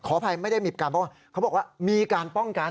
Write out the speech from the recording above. ขอบภัยไม่ได้มีการป้องกันเขาบอกว่ามีการป้องกัน